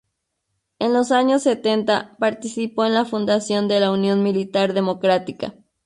En los años setenta participó en la fundación de la Unión Militar Democrática.